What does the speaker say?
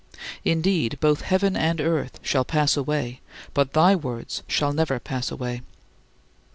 Indeed, both heaven and earth shall pass away, but thy words shall never pass away.